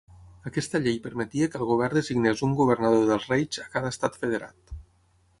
Aquesta llei permetia que el govern designés un Governador del Reich a cada estat federat.